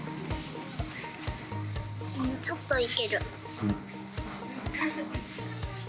ちょっといける。